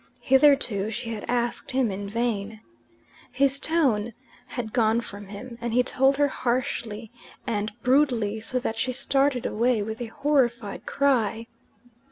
Hitherto she had asked him in vain. His tone had gone from him, and he told her harshly and brutally, so that she started away with a horrified cry.